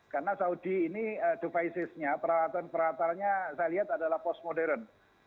karena saudi ini devicesnya peralatan peralatannya saya lihat adalah post modern